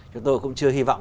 chúng tôi cũng chưa hy vọng